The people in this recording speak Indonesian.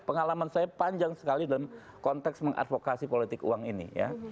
pengalaman saya panjang sekali dalam konteks mengadvokasi politik uang ini ya